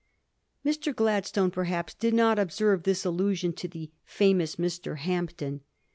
Mr. Gladstone, perhaps, did not observe this allusion to ^ the famous Mr. Hampden.'